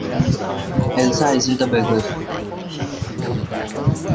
Elsa isn't a beggar!